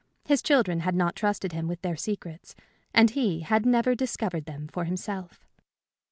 His children had not trusted him with their secrets, and he had never discovered them for himself.